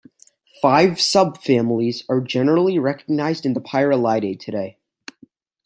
Five subfamilies are generally recognized in the Pyralidae today.